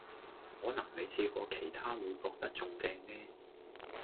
可能你試過其他會覺得仲正呢